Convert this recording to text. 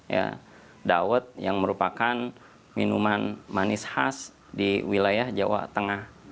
ya dawet yang merupakan minuman manis khas di wilayah jawa tengah